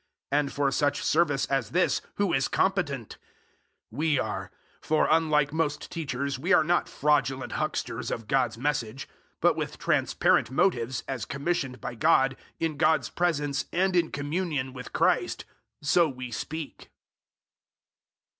And for such service as this who is competent? 002:017 We are; for, unlike most teachers, we are not fraudulent hucksters of God's Message; but with transparent motives, as commissioned by God, in God's presence and in communion with Christ, so we speak.